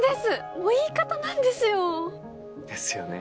もう言い方なんですよ。ですよね。